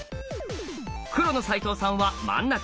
黒の齋藤さんは真ん中。